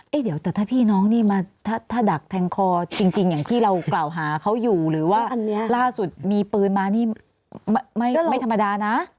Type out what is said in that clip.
เดี๋ยวแต่ถ้าพี่น้องนี่มาถ้าดักแทงคอจริงอย่างที่เรากล่าวหาเขาอยู่หรือว่าล่าสุดมีปืนมานี่ไม่ธรรมดานะ